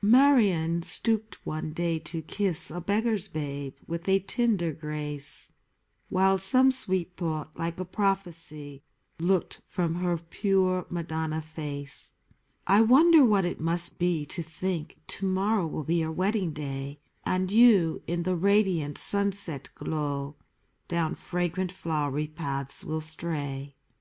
Marion stooped one day to kiss A beggar's babe with a tender grace ; While some sweet thought, like a prophecy, Looked from her pure Madonna face. I wonder what it must be to think To morrow will be your wedding day, And you, in the radiant sunset glow Down fragrant flowery paths will stray.